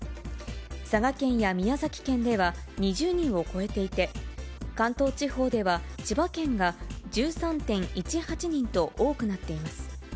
佐賀県や宮崎県では２０人を超えていて、関東地方では千葉県が１３．１８人と多くなっています。